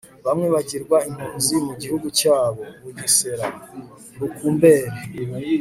bamwe bagirwa impunzi mu gihugu cyabo (bugesera, rukumberi